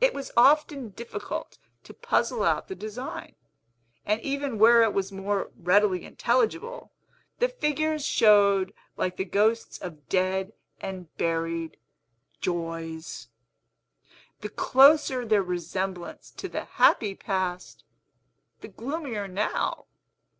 It was often difficult to puzzle out the design; and even where it was more readily intelligible, the figures showed like the ghosts of dead and buried joys, the closer their resemblance to the happy past, the gloomier now.